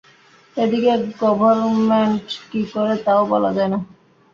এ দিকে গবর্মেন্ট কী করে তাও বলা যায় না।